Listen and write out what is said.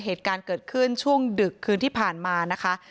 เหตุการณ์เกิดขึ้นช่วงดึกคืนที่ผ่านมานะคะ